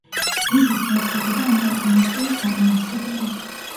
გიზის ჰერცოგი და ამავე დინასტიის დამაარსებელი.